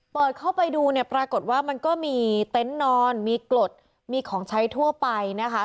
เปิดเข้าไปดูเนี่ยปรากฏว่ามันก็มีเต็นต์นอนมีกรดมีของใช้ทั่วไปนะคะ